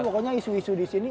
pokoknya isu isu disini